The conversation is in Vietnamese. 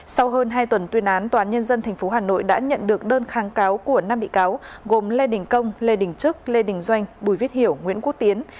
sau hơn hai tuần tuyên án tòa án nhân dân tp hà nội đã nhận được đơn kháng cáo của năm bị cáo gồm lê đình công lê đình trức lê đình doanh bùi viết hiểu nguyễn quốc tiến